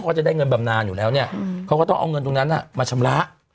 เขาจะได้เงินบำนานอยู่แล้วเนี่ยเขาก็ต้องเอาเงินตรงนั้นมาชำระ